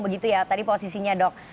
begitu ya tadi posisinya dok